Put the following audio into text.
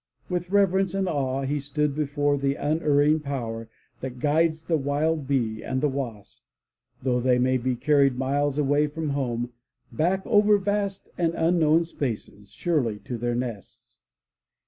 With reverence and awe he stood before the unerring Power that guides the wild bee and the wasp, though they may be carried miles away from home, back over vast and unknown spaces, surely to their nests.